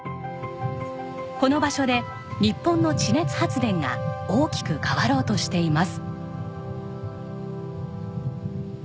この場所で日本の地熱発電が大きく変わろうとしています。